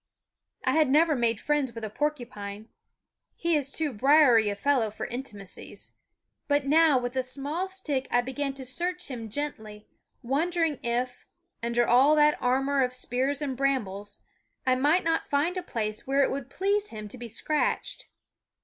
I had never made friends with a porcupine, he is too briery a fellow for intimacies, but now with a small stick I began to search him gently, wondering if, under all that armor of spears and brambles, I might not find a place where it would please him to be scratched.